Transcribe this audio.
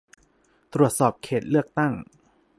ตรวจสอบเขตเลือกตั้ง